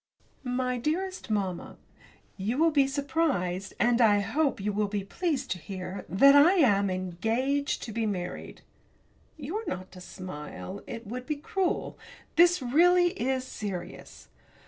MY DEAREST MAMMA, You will be surprised, and I hope you will be pleased to hear that I am engaged to be married! You are not to smile it would be cruel this, really, is serious.